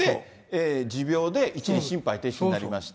持病で一時心肺停止になりました。